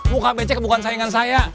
muka becek bukan saingan saya